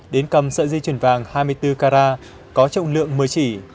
đến cầm sợi dây chuyền vàng hai mươi bốn carat có trọng lượng một mươi chỉ